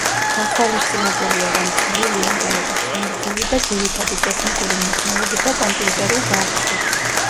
გათვალისწინებულია, რომ „წვლილი უნდა იყოს ხანგრძლივი და ძირითადი ტექნიკური მნიშვნელობისა კომპიუტერულ დარგში“.